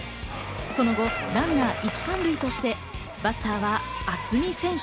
その後ランナー１・３塁として、バッターは渥美選手。